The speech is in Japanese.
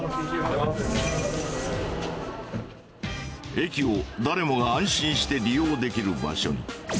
駅を誰もが安心して利用できる場所に。